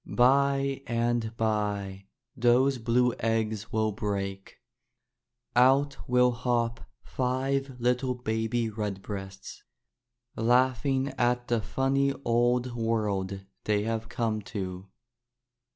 By and by, those blue eggs will break. Out will hop five little baby redbreasts, laugh ing at the funny old world they have come to.